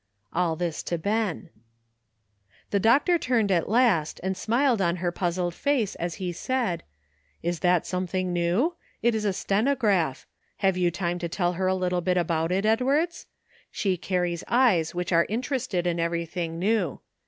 All this to Ben. The doctor turned at last, and smiled on her puzzled face, as he said: "Is that something new? It is a stenograph. Have you time to tell her a little about it, Edwards ? She carries eyes which are interested in everything new.